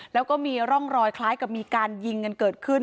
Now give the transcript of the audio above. แล้วก็มีร่องรอยคล้ายกับมีการยิงกันเกิดขึ้น